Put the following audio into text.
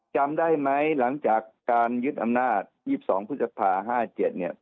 จำได้ไหมหลังจากการยึดอำนาจยี่สองพฤสภาห้าเจ็ดเนี้ย